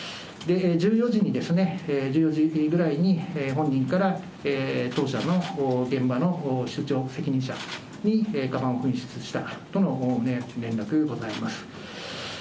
１４時にですね、１４時ぐらいに本人から、当社の現場の室長責任者にかばんを紛失したとの連絡がございます。